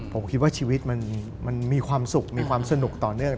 ผมคิดว่าชีวิตมันมีความสุขมีความสนุกต่อเนื่อง